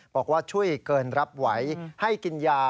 บอกว่าช่วยเกินรับไหวให้กินยา